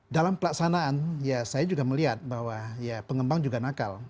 dalam pelaksanaan ya saya juga melihat bahwa ya pengembang juga nakal